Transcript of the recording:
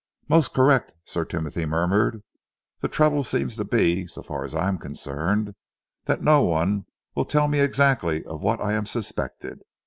"Most correct," Sir Timothy murmured. "The trouble seems to be, so far as I am concerned, that no one will tell me exactly of what I am suspected?